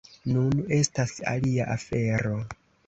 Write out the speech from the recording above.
Nun estas alia afero.